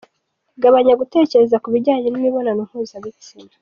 Gabanya gutekereza ku binjyanye n’imibonano mpuzabitsina:.